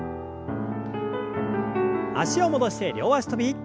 脚を戻して両脚跳び。